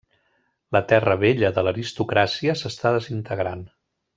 La terra vella de l'aristocràcia s'està desintegrant.